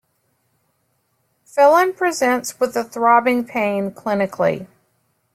Felon presents with a throbbing pain, clinically.